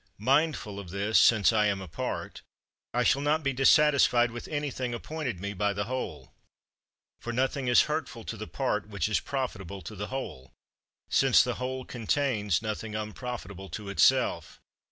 Mindful of this, since I am a part, I shall not be dissatisfied with anything appointed me by the whole. For nothing is hurtful to the part which is profitable to the whole, since the whole contains nothing unprofitable to itself.